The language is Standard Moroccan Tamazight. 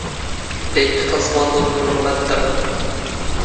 ⴷⴰ ⵉⵜⵜⵇⵇⵍ ⵙ ⵡⴰⵏⴹⵓⴹⵏ ⵏ ⵓⵍⵖⵎ ⴰⴷ ⴹⵔⵏ